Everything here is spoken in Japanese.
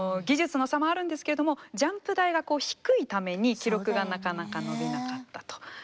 技術の差もあるんですけれどもジャンプ台が低いために記録がなかなか伸びなかったと。